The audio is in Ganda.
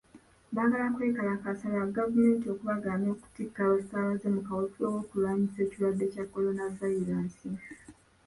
Bagala kwekalakaasa lwa gavumenti okubagaana okutikka abasaabaze mu kaweefube w'okulwanyisa ekirwadde kya coronavirus.